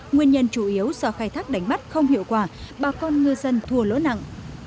nguyên nhân chủ yếu do khai thác đánh bắt không hiệu quả bà con ngư dân thua lỗ nặng